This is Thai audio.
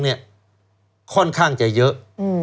เนี่ยค่อนข้างจะเยอะ